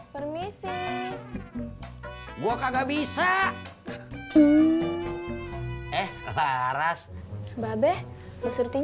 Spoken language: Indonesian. permisi gua kagak bisa eh paras babeh masuknya ada ada mau